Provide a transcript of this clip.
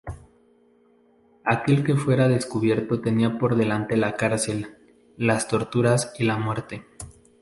Aquel que fuera descubierto tenía por delante la cárcel, las torturas y la muerte.